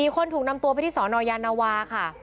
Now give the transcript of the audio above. ๔คนถูกนำตัวไปที่สนยานวาค่ะ